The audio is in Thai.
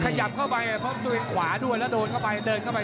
ขยับเข้าไปพบตัวเองขวาด้วยแล้วโดนเข้าไปเดินเข้าไป